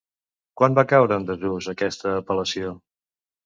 Quan va caure en desús, aquesta apel·lació?